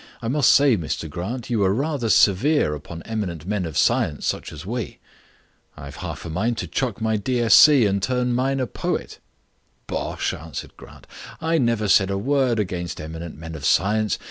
"I must say, Mr Grant, you were rather severe upon eminent men of science such as we. I've half a mind to chuck my D.Sc. and turn minor poet." "Bosh," answered Grant. "I never said a word against eminent men of science.